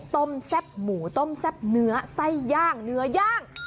แซ่บหมูต้มแซ่บเนื้อไส้ย่างเนื้อย่าง